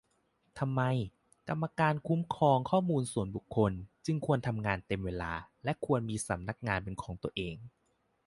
ทำไม กรรมการคุ้มครองข้อมูลส่วนบุคคล จึงควรทำงานเต็มเวลา และควรมีสำนักงานเป็นของตัวเอง